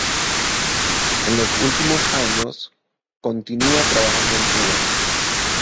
En los últimos años, continúa trabajando en Cuba.